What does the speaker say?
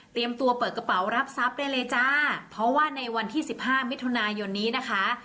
ตัวเปิดกระเป๋ารับทรัพย์ได้เลยจ้าเพราะว่าในวันที่สิบห้ามิถุนายนนี้นะคะ